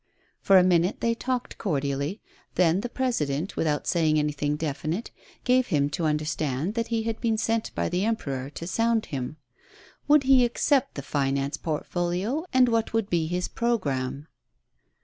For a minute they talked cordially ; then the Presi dent, without saying anything definite, gave him to understand that he had been sent by the Emperor to sound him. Would he accept the finance portfolio, and what would be his programme?